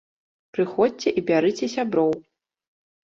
Прыходзьце і бярыце сяброў!